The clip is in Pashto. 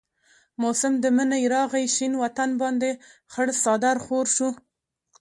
موسم د منی راغي شين وطن باندي خړ څادر خور شو